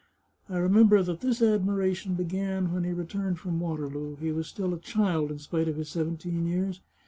I remember that this admiration began when he returned from Waterloo. He was still a child, in spite of his seventeen years.